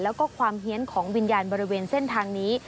แล้วก็ความเฮียนของวิญญาณบริเวณเส้นทางนี้